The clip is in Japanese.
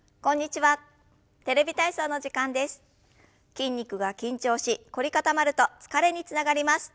筋肉が緊張し凝り固まると疲れにつながります。